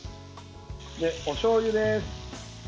で、おしょうゆです。